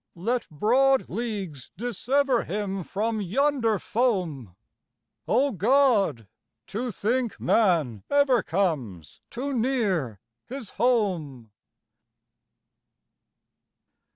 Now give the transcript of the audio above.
Let broad leagues dissever Him from yonder foam Oh, God! to think Man ever Comes too near his Home!